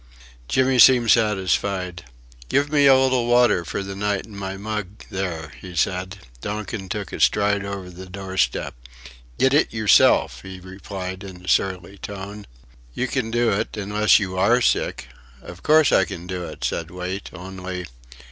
Jimmy seemed satisfied. "Give me a little water for the night in my mug there," he said. Donkin took a stride over the doorstep. "Git it yerself," he replied in a surly tone. "You can do it, unless you are sick." "Of course I can do it," said Wait, "only...